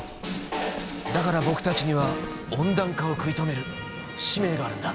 だから僕たちには温暖化を食い止める使命があるんだ。